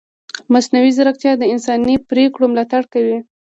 مصنوعي ځیرکتیا د انساني پرېکړو ملاتړ کوي.